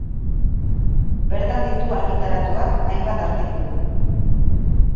Bertan ditu argitaratuak hainbat artikulu.